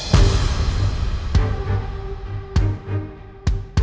sampai jumpa lagi